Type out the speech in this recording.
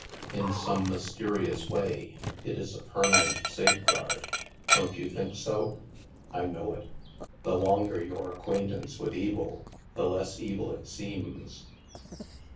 In some mys terious way, it is a permanent safeguard. Don't you think so? "" I know it. The longer your acquaintance with evil, the less evil it seems."